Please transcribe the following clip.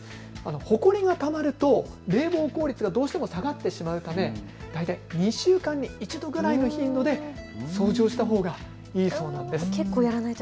ほこりがたまると冷房効率がどうしても下がってしまうため大体２週間に一度くらいの頻度で掃除をしたほうがいいそうです。